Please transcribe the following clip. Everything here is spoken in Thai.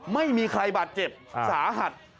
ไม่มีใครบาดเจ็บสาหัส